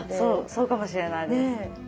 そうかもしれないです。ねえ。